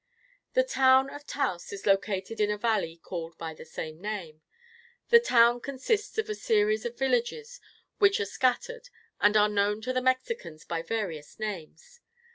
The town of Taos is located in a valley called by the same name. The town consists of a series of villages, which are scattered, and are known to the Mexicans by various names.